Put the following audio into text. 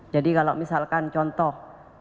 jadi kalau misalkan contoh